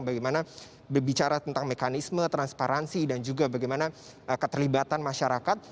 bagaimana berbicara tentang mekanisme transparansi dan juga bagaimana keterlibatan masyarakat